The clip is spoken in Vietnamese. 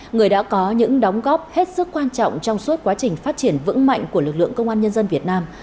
người đã có những đóng góp hết sức quan trọng trong suốt quá trình phát triển vững mạnh của lực lượng công an nhân dân việt nam